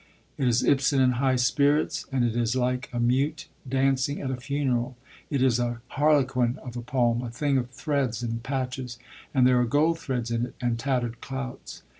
It is Ibsen in high spirits; and it is like a mute dancing at a funeral. It is a harlequin of a poem, a thing of threads and patches; and there are gold threads in it and tattered clouts.